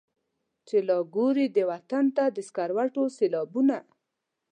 چي لا ګوري دې وطن ته د سکروټو سېلابونه.